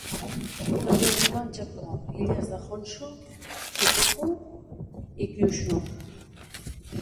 També habita al Japó: illes de Honshu, Shikoku i Kyushu.